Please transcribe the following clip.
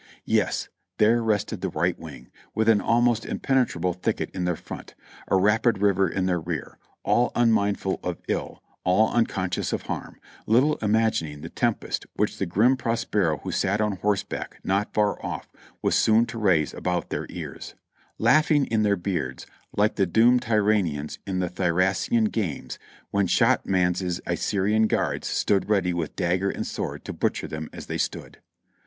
Yes! there rested the right wing, with an almost impenetrable thicket in their front, a rapid river in their rear, all unmindful of ill, all unconscious of harm, little imagining the tempest which the grim Prospero who sat on horseback not far off was soon to raise about their ears; laughing in their beards like the doomed Ty rians in the Thracian games when Shotmanez's Assyrian guards stood ready with dagger and sword to butcher them as they stood.